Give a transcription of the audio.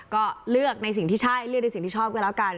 ก็เลือกในสิ่งที่ใช่เลือกในสิ่งที่ชอบก็แล้วกัน